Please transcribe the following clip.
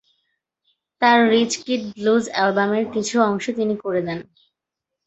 তার rich kid blues অ্যালবামের কিছু অংশ তিনি করে দেন।